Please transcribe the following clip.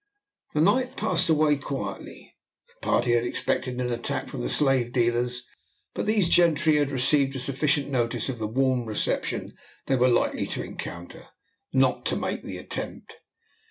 The night passed away quietly. The party had expected an attack from the slave dealers, but these gentry had received a sufficient notice of the warm reception they were likely to encounter, not to make the attempt.